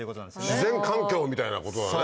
自然環境みたいなことだね。